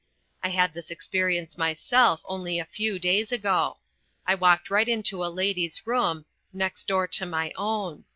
I had this experience myself only a few days ago. I walked right into a lady's room next door to my own.